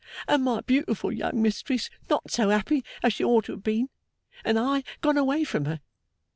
And my beautiful young mistress not so happy as she ought to have been, and I gone away from her!